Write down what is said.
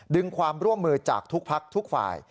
ดึงความร่วมมือจากทุกพักทุกฝ่าย